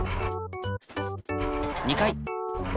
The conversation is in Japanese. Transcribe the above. ２回。